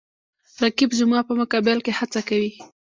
رقیب زما په مقابل کې هڅه کوي